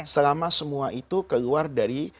selama semua itu keluar dari